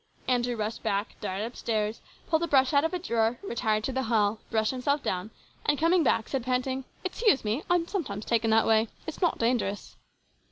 Andrew rushed back, darted upstairs, pulled a brush out of a drawer, retired to the hall, brushed himself down, and coming back said, panting, " Excuse me ; I am sometimes taken that way. It is not dangerous."